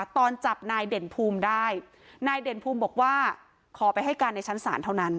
ตอนจับนายเด่นภูมิได้นายเด่นภูมิบอกว่าขอไปให้การในชั้นศาลเท่านั้น